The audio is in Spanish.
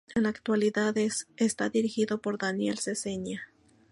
En la actualidad está dirigido por Daniel Seseña.